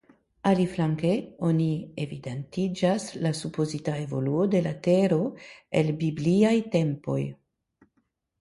Aliflanke oni evidentiĝas la supozita evoluo de la Tero el bibliaj tempoj.